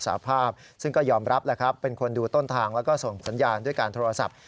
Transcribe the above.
สาภาพซึ่งก็ยอมรับแหละครับเป็นคนดูต้นทางแล้วก็ส่งสัญญาณด้วยการโทรศัพท์